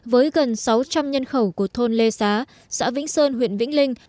với gần sáu trăm linh nhân khẩu của thôn lê xá xã vĩnh sơn huyện vĩnh linh